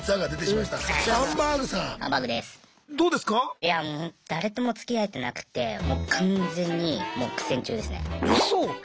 いやもう誰ともつきあえてなくてもう完全にもう苦戦中ですね。